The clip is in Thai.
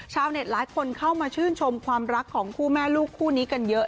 หลายคนเข้ามาชื่นชมความรักของคู่แม่ลูกคู่นี้กันเยอะ